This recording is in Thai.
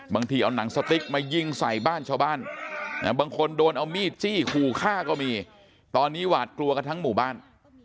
บางทีเอาหนังสติ๊กมายิงใส่บ้านชาวบ้านบางคนโดนเอามีดจี้ขู่ฆ่าก็มีตอนนี้หวาดกลัวกันทั้งหมู่บ้าน